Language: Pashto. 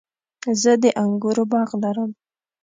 زه د انګورو باغ لرم